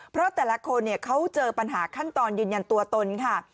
เพราะแต่ละคนเขาเจอปัญหาขั้นตอนยืนยันตัวตนค่ะ